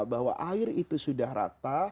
bahwa air itu sudah rata